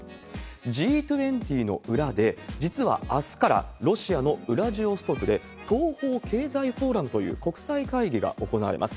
Ｇ２０の裏で、実はあすから、ロシアのウラジオストクで東方経済フォーラムという国際会議が行われます。